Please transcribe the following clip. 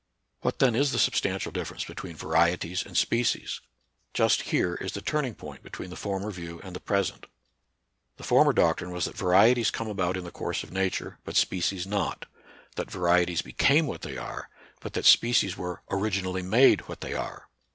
What then is the substantial difference be , tween varieties and species ? Just here is the turning point between the former view and the present. The former doctrine was that varieties come about in the course of nature, but species NATURAL SCIENCE AND RELIGION. 43 not ; that varieties became what they are, but that species were originally made what they are.